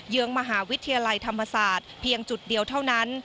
เยื้องมหาวิทยาลัยธรรมศาสตร์เพียงจุดเดียวเท่านั้น